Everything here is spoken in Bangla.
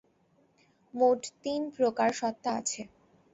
মোট তিন প্রকার সত্তা আছে।